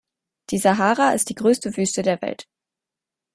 Die Sahara ist die größte Wüste der Welt.